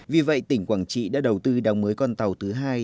vì vậy tỉnh quảng trị đã đầu tư đóng mới con tàu thứ hai